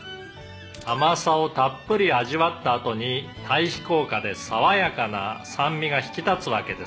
「甘さをたっぷり味わったあとに対比効果で爽やかな酸味が引き立つわけですね」